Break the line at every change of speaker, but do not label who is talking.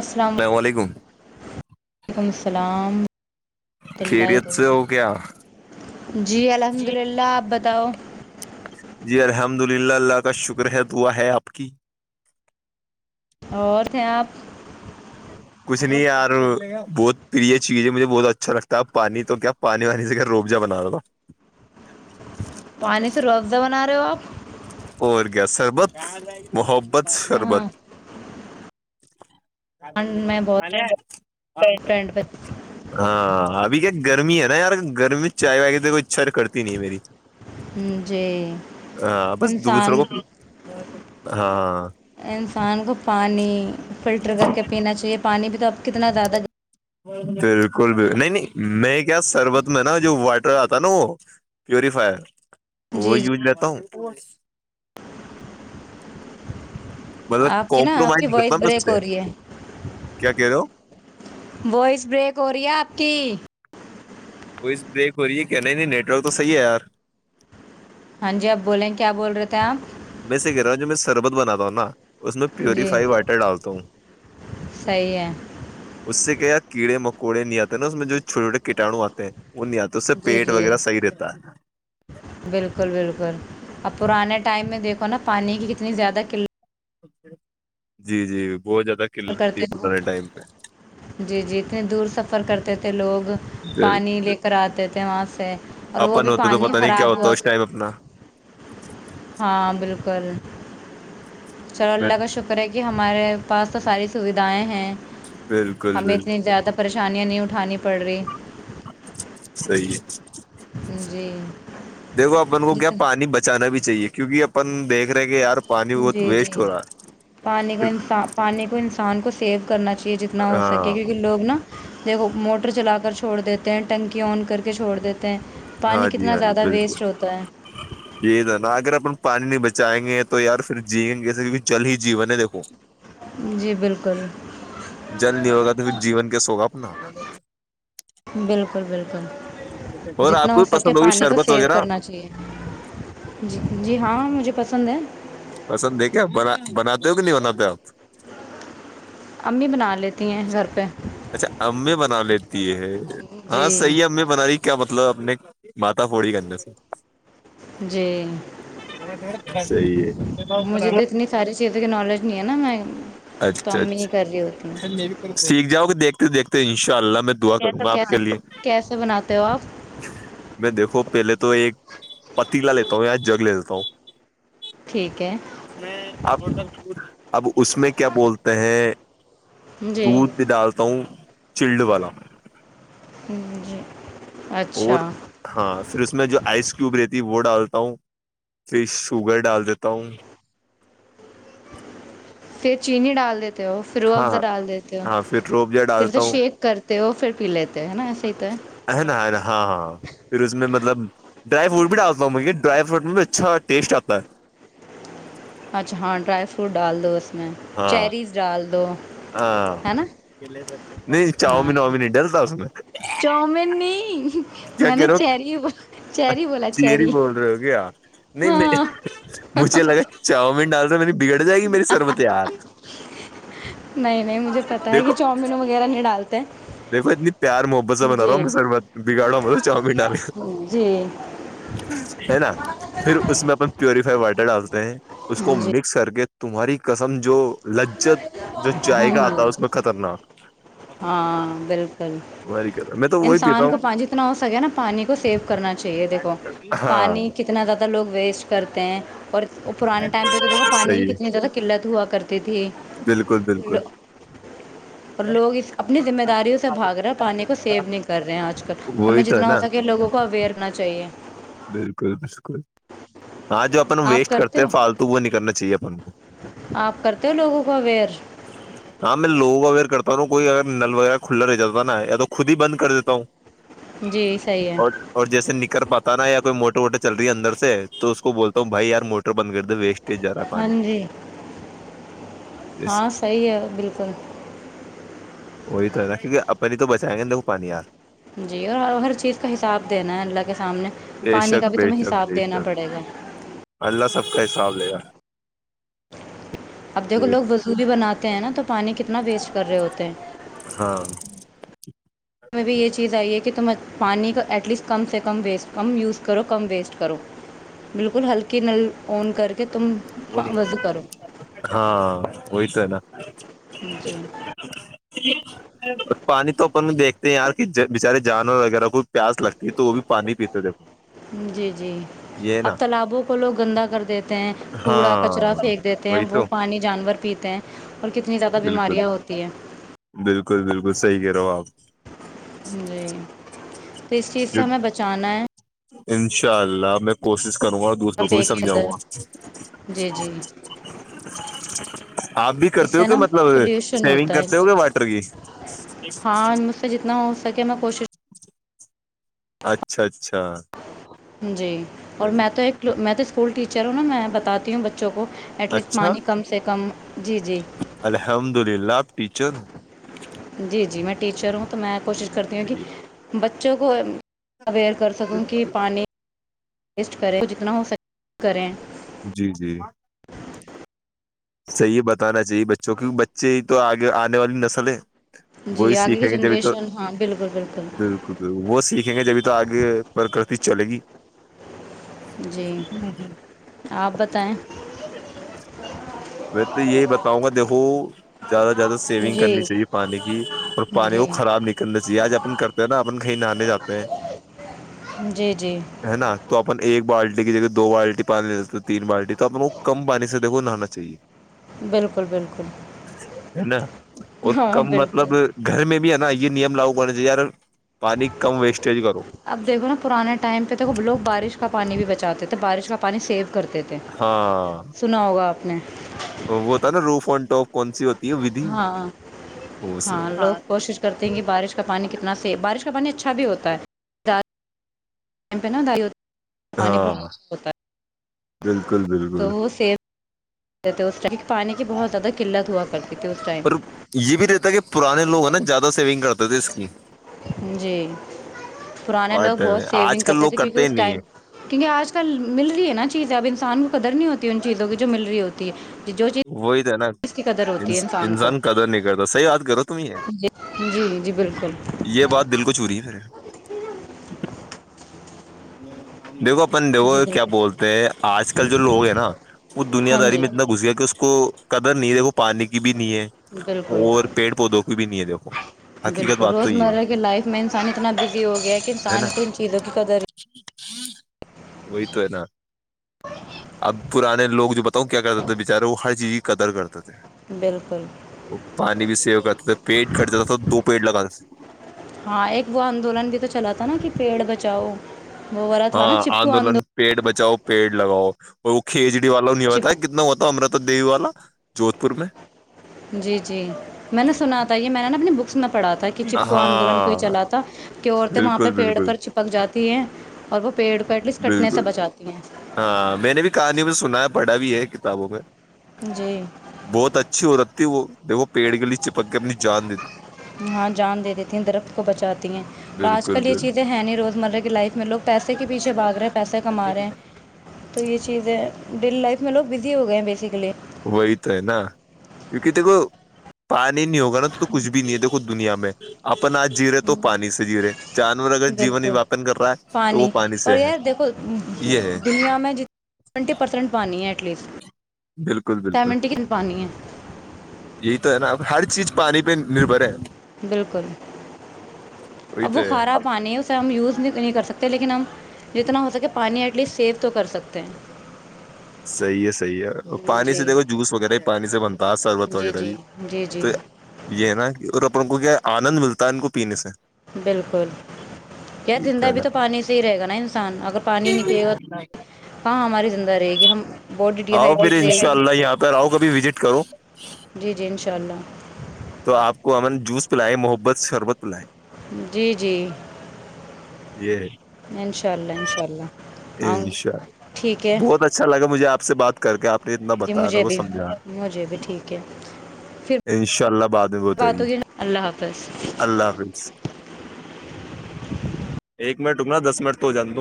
السلام عل وعلیکم السلام م
خیریت سے ہو کیا
جی الحمد اللہ دوؤ
جی الحمد للہ اللہ کا شکر ہے دعا ہے آپ کی
اور تھ آپ
کچھ نہیں یار بہت پرری چیز ہے مجھے بہت اچھا لگتا ہے پانی تو کیا پانی وانی سے گ روب جا بنانا تھا
پانی سے روزہ بنا رہے ہو آپ
اور کیایا سر بہت بہب بد شربت
ہاں میں بہت
[unintelligible]
ٹرینڈ پہ
ہاں ابھی کیا گرمی ہے نا یار گرمی میں چائے وائے کی کوئی اچھا کرتی نہیں ہے میری
جی
ہاں بس
انسان
دوسروں کو ہاں
انسان کو پانی فلٹر کر کے پینا چاہیے پانی بھی تو اپ کتنا زیادہ
ہ بالکل بکل نہیں نہیں میں کیا سربت میں نا جو واٹر آتا نا وہ پیوریفائر وہ
جی جی
یوج لیتا ہوں پن مطلب
آپ کی نا آپ
کمپرمائز
کی
نہیں کرتا
وائس
م
بریک
سے
ہو رہی ہے
کیا کہ رہے ہو
وائس بریک ہو رہی ہے آپ کی
کوئز بریک ہو رہی ہے کہ نہیں نہیں نیٹ ورک تو صحیح ہے یار
ہاں جی آپ بولیں کیا بول رہے تھے آپ
میں سے کہہ رہا ہوں جو میں [unintelligible] اس میں
جی
پیوریفائی واٹر ڈالتا ہوں
صحیح ہے
اس سے کیا کیڑے مکوڑے نہیں آتے نا اس میں جوھوٹےوٹے کٹڑو آتے [unintelligible] ا نہیںیا تو اس سے
جی
پیٹ
جی
وغیرہ صحیح رہتا ہے
بالکل بالکل اب پرانے ٹائم میں دیکھو نا پانی کی کتنی زیادہ قلت
جی جی بہت زیادہ
س
قلت تھی
کرتے ہو
پرانے ٹائم پہ
جی جی اتنی دور سفر کرتے ا کے لوگ پانی
بالکل
لے کر آتے تھے کے وہاں سے اور وہ
اپن
بھی
ہوتا تو
پانی
پتا نہیں کیا
خراب
ہوتا
ہوا
اس ٹائم اپنا
ہاں بالکل چلو اللہ کا شکر ہے کہ ہمارے پاس تو ساری سویدھائیں ہیں
بالکل
ہمیں اتنی زیادہ پریشانی نہیں اٹھے پر
صی ہے
جی
دیکھو اپن کو کیا پانی بچانا بھی چاہیے کیونکہ اپن دیکھ رہے کہ یار پانی بہت
جی جی
ویسٹ ہو رہا ہے
پانی کو انسان پانی کو انسان کو سیو کرنااہیے چیز اتنا ہو سکے
ہاں
کیونکہ لوگ نا دیکھو موٹر چلا کر چھوڑ دیتے ہیں ٹنکی آن کر کے چھوڑ دیتے ہیں پانی
ہاں جی
کتنا
ہاں جی
زیادہ
بالکل
ویسٹ ہوتا
یہ تو نہا اگر اپن پانی نہیں بچائیں گے تو یار پھر جیئیں گےسے کیکہ جل ہی جیون ہے دیکھو
جی بالکل
جل نہیں ہوگا تو پھر جیون کیس ہوگا اپنا
بالکل بالکل
اور آپ
جتنا ہو
کو
سکے
پسند ہوگی
پانی کو
شربت
سیو
وغیرہ
کرنا چاہیے جی جی ہاں مجھے پسند ہے
پسند دیک کیا آپ ب بناتے ہو کہ نہیں بناتے آپ
امی بنا لیتی ہیں گھر پہ
اچھا ایں بنا لیتی ہے ہاں
جی
صحیح ہے ایں بنا رہی کیا بتا مطلب اپنے ماتا پوڑی کرنے سے
جی
صحیح ہے
مجھے تو اتنی ساری چیزوں کی نالج نہیں ہے نا میں تو
اچھا
امی ہی
اچھا
کر رہی ہوتی ہیں
سیکھ جاؤ گ دیکھ دیکتے ان شاء اللہ میں تو دا کرا آپ
کیسے
کے لیے
کیسے بناتے ہو آپ
میں دیکھو پہلے تو ایک پتی لےتا ہ جگ ل ککو
ٹھیک ہے
[unintelligible] اس میں آپ اب اس میں کیا بولتے ہیں
جی
دودھ بھی ڈالتا ہوں چلڈ والا
جی
اور
اچھا
ہاں پھر اس میں جو آئس کیوب رہتی ہے وہ ڈال تا ہوں پھر شوگر ڈال دیتا ہوں
پھر چینی ڈال دیتے ہو پھر وہ
ہاں
افزا
ہاں
ڈال دیتے ہو
ہاں پھر روب جا
پھر تو
ڈالتا ہوں
شیک کرتے ہو پھر پی لیتے ہے نا ایسے ہی تو
ہے نا ہے نا ہاں ہاں پھر اس میں مطلب ڈرائی فروٹ بھی ڈالتا ہوں مے ڈرائی فروٹ میں بھی اچھا ٹیسٹ آتا ہے
اچھا ہاں ڈرائی فروٹ ڈال دو اس میں چیریز ڈال دو
ہ
ہے نا
نہیں
ہاں
چاؤمین واؤمیین ہی ڈلتا ہو س میں
چاؤمین نہیں
کیا
میں
کہ
نے
رہا
چیری
ہو
چیری بولا
چری
چیری
بول رہے ہو کیا نہیں میں
ہاں
مجھے لگا چاؤ میں ڈالا
نہیں نہیں مجھے پتا ہے کہ چامین وغیرہ نہیں ڈالتے
دیکو اتنی پیار محبت سےا بنا رہا
جی
ہوں بگاڑ رہا ہوں مطل چاؤمین ڈال
جی
ہے نا پھر اس میں اپ پیوریفائی واٹر ڈال [unintelligible] اس کو
ہاں جی
مکس کر کے تمہاری قسم جو لجت جو جائےقا
ہاں
آتا ہے اس میں خطرناک
ہاں بالکل
تمہاری قسم میں تو وہی پیتا
انسان کو
ہوں
پانی جتنا ہو سکے نا پانی کو سیو کرنا چاہیے دیکھو
ہاں
پانی کتنا زیادہ لوگ ویسٹ کرتے ہیں اور پرانے ٹائمہ دیکو پانی کی
صحیح
کتنی زدہ قلت ہے ہوا کرتے تھے
بالکل بالکل
اور لوگ اس اپنی ذمہ داریوں سے بھاگ رہے پانی کو سیو نہیں کر رہے ہیں آج کل ہمیں
وہی تو ہے
جتنا ہو
نا
سکے لوگوں کو اویئر کرنا چاہیے
بالکل بالکل ہاں جو اپن
آپ
ویسٹ کرتے ہیں
ہو
فالتو وہ نہیں کرنا چاہیے اپن کو
آپ کرتے ہو لوگوں کو اویئر
ہاں میں لوگ آھر کرتا ہوں کوئی اگر نل وغیرہ کھلا رہ جاتا نا یا تو خود ہی بند کر دیتا ہوں
جی صحیح ہے
اور اور جیسے نکر پت نا یا کوئی موٹے ووٹے چل رہی ہے اندر سے تو اس کو بولتا ہوں بھائییار موٹر بند کر د ویسٹ ت جرا
ہاں
پانی
جی ہاں صحیح ہے بالکل
وہی تو نا کیونکہ اپنی تو بچائیں گے دیک وہ پانی یار
جی اور ہر چیز کا حساب دینا ہے اللہ کے سامنے
بے
پانی کا
شک
بھی
بے
تمہیں
شک
حساب
بے
دینا
شک
پڑے گا
اللہ سب کا حساب لے رہا ہے
اب دیکھ لوگ وسو بھی بنات کہ ن تو پانی کتنا ویسٹ کر رہے ہوتے ہیں
اچھ
میں بھی یہ چیز آئی کہ کہ تمہ پانی کا ایٹ لیسٹ کم سے کم ویسٹ کم یوز کرو کم ویسٹ کرو بالکل ہلکی نل آن کر کے تم
ب
وضو کرو
ہاں ہوئیت ہے نا
جی
پانی تو اپن میں دیکھتے ہیں یار کہ بچارے جانور وغیرہ کو پیاس لگتی ہے تو وہ بھی پانی پیتے دیکھو
جی جی
یہ ہے
اب
نا
تالابوں کو لوگ گندہ کر دیتے ہیں کوڑا کچرا
ہاں
پھینک دیتے ہیں
وہی
وہ
تو
پانی جانور پیتے ہیں اور کتنی زیادہ
بالکل
بیماریاں ہوتی ہیں
بالکل بالکل صحیح کہہ رہے ہو
جی تو اس چیز سے ہمیں بچانا ہے
انشاء اللہ میں کوشش کروں گا اور دوسروں کو بھی
پھینکیں
سمجھاؤں
ادھر
گا
جی جی
آپ بھی
اس
کرتے ہو
سے
کہ
نا
مطلب
پلیوشن
سیونگ
ہوتا ہے
کرتے ہو کیا واٹر کی
ہاں مجھ سے جتنا ہو سکے میں کوشش
اچھا اچھا
جی اور
صحیح
میں تو ایک میں تو اسکول ٹیچروں نا میں بتاتی ہوں بچوں کو ایٹ لیس
اچھا
پانی کم سے کم جی جی
الحمد للہ آپ ٹیچر ہو
جی جی میں ٹیچر ہوں تو میں کوشش کرتی ہوں
صحیح
کہ بچوں کو اویئر کر
ہے،
سکوں کہ
بالکل
پانی ٹیسٹ کریں جتنا ہو سک کریں
جی جی صحیح بتانا چاہیے بچوں کیہ بچے تو آگے آنے والی نسل ہے وہی
جی آگے کی
سیکھیں گے جبھی تو
جنریشن ہاں بالکل
بالکل بالکل وہ سیکھ دیکھیں گے جبھی تو آگے پرکرتی چلے گی
جی آپ بتائیں
میں تو یہی بتاؤں گا دیکھو زیادہ سے زیادہ سیونگ
جی
کرنی چاہیے پانی کی اور پانی کو
جی
خراب نہیں کرنا چاہیے آج اپن کرتے ہیں نا اپن کہیں نہانے جاتے ہیں
جی جی
ہے نا تو اپ ایک بالٹی کی جگہ دو بالٹی پانی تین بالٹی تو آ ل کو کم پانی سےیکھو نہانا چاہیے
بالکل بالکل
[unintelligible] [unintelligible] اور
ہاں
کم
بالکل
مطلب گھر میں بھی آ نہ یہ نیم لاگو بنے گ یار پانی کم ویسٹیج کرو
اب دیکھو نا پرانے ٹائم پہ تو کب لوگ بارش کا پانی بھی بچاتے تھ تو بارش کا پانی سیف کرتے تھے
ہاں
سنا ہوگا آپ [inaudible] [inaudible]
وہ تھا نا روف انٹوپ کون سی ہوتی ہے ودھی
ہاں
وہ سب
ہاں لوگ کوشش کرتے ہیں کہ بارش کا پانی کتنا سے بارش کا پانی اچھا بھی ہوتا ہے کیمپین دا
ہے۔
پانی بہت
ہاں
اچھا ہوتا
بالکل
ہے تو
بالکل
وہ سیب [unintelligible] پانی کی بہت زیادہ قلت ہوا کرتی تھی اس ٹائم
اور یہ بھی رہتا ہے کہ پرانے لوگ ہیں نا زیادہ سیونگ کرتے پردیش کی
جی پرانے
ہر
لوگ
ٹائم
بہت
میں
سیونگ
آج کل
کرتے
لوگ
تھے کیونکہ
ہی
اس
نہیں
ٹائم
ہے
کیونکہ آج کل مل رہی ہے نا چیزیں اب انسان کو قدر نہیں ہوتی ان چیزوں کی جو مل رہی ہوتی ہے جو چیز
وہی تھا نا
اس کی قدر ہوتی ہے کو
انسان قدر نہیں کرتا صحیح یاات کرو ہی ہے
جی جی بالکل
یہ بات دل کو چوروری ہے مے نہیںاں دیکھو اپن دیکھو
جی
کیا
بالکل
بولتے ہیں آج کل جو لوگ ہیں نا وہ دنیا
ہاں
داری
جی
میں اتنا گھس گیا کہ اس کو قدر نہیں رےھو پانی کی بھی نہیں ہے
بالکل
اور پیڑ پودوں کی بھی نہیں ہے دیکھو حقیقت
بالکل
بات تو یہ ہے
روزمرہ کی لائف میں انسان اتنا بزی ہو گیا کہ
ہے
انسان
نا
کو ان چیزوں کی قدر
وہی تو ہے نا اب پرانے لوگ جو بتاؤ کیا کرتے تھے بچارے وہ ہر چیز کی قدر کرتے تھے
بالکل
وہ پانی بھی سی بچ پیٹ کرتے تھا تو پیٹ لگا [unintelligible]
ہاں ایک وہ آندولن بھی تو چلا تھا نا کہ پیڑ بچاؤ وہ والا تھا
ہاں
نا چپکو
آندولن
آندو
پیٹ بچ جاؤ پیڑ لگاؤ اور وہ کھیچڑ والا نہیں ہوتا ہے
چپ
کتنا ہوتا امرت دیی والا جودھ پور میں
جی جی میں نے سنا تھا یہ میں نےا اپنی بکس میں پڑھا تھا کہ چپکو آدولن کو ہی
ہاں
چلاتا کہ عورتیں وہاں پہ
بالکل
پیڑ
بالکل
پر چپک جاتی ہیں اور وہ پیڑ پہ ایٹ لیسٹ کٹنے سے
بالکل
بچاتی ہیں
پڑا بھی ہے کتابوں میں
جی
بہت اچھی ہوورک ت وہ د وہ پیڑ کے لیے چپک کے اپنی جان دیتی
ہاں جان دے دیتی ہیں درخت کو بچاتی ہیں آج
بالکل
کل یہ
بالکل
چیزیں ہیں نہیں روزمرہ کی لائف میں لوگ پیسے کے پیچھے بھاگ رہے ہیں پیسے کما رہے ہیں تو یہ چیزیں ڈیلی لائف میں لوگ بزی ہو گئے ہیں بیسکلی
وہی تو ہے نا کیونکہ دیکھو پانی نہیں ہوگا نا تو تو کچھ بھی نہیں ہے دیکھو دنیا میں اپن آج جی رہے تو پانی سے جی رہے جانور اگر جیون
بالکل
یاپن کر رہا ہے تو وہ
پانی
سے
اور
ہے
یار دیکھو
یہ ہے
دنیا میں جتنا ٹینٹی پرسینٹ پانی ہے لیسٹ
بالکل بالکل
سیونٹی کی پانی
یہی تو ہے نا اب ہر چیز پانی پہ نربھر ہے وہی
اب
تو
وہ
ہے
کھارا پانی اسے ہم یوز بھی نہیں کرتے سکتے ہیں لیکن ہم جتنا ہو سکے پانی ایٹ لیسٹ سیو تو کر سکتے ہیں
صحیح ہے سح صحی ہے اور پانی سے
جی
دیکھو جوس وغیرہ ہی پانی سے بنتا ہے شربت
جی
وغیرہ
جی
بھی
جی جی
تو یہ ہے نا کہ ان کو کیا آنند ملتا ہے ان کو پینے سے
بالکل یار
ٹھیک
زندہ
ہے
بھی
نا
تو پانی سے ہی رہے گا نا انسان اگر پانی نہیں پیے گا کہاں ہماری زندہ رہے گی ہم باڈی ڈی
آؤ پھر
ہائیڈریٹ رہے
انشاء
گی
اللہ یہاں پرہ آؤ کبھی وزٹ کرو
چلو
تو آپ کو امن جوس پلائے محبت سے شربت پلائے
جی جی
یہ
انشاء اللہ انشاء اللہ آؤں
ان
گی
شاء
ٹھیک ہے
بہت اچھا لگا مجھے آپ سے بات کر کے آپ اپ نے اتنا
جی
بتا
مجھے
وہ
بھی
سمجھا
مجھے بھی ٹھیک ہے پھر
انشاء اللہ بعد میں بت
بات
گی
ہوگی اللہ حافظ
اللہ حافظ ایک منٹ رکنا دس منٹ تو ہو جان د